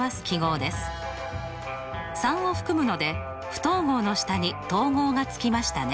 ３を含むので不等号の下に等号がつきましたね。